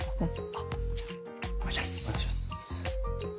あっ！